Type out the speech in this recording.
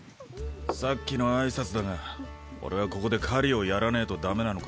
さっきの挨拶だが俺はここで狩りをやらねぇとダメなのか？